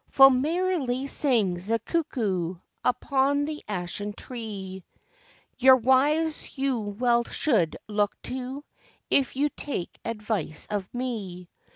Full merrily sings the cuckoo Upon the ashen tree; Your wives you well should look to, If you take advice of me.